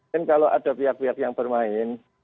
dan kalau ada pihak pihak yang bermain